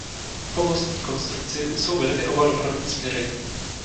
Po mostní konstrukci jsou vedeny oba dopravní směry.